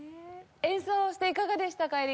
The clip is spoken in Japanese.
演奏していかがでしたか？